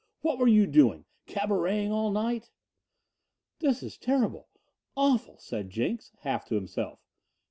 "What were you doing, cabareting all night?" "It sure is terrible awful," said Jenks, half to himself.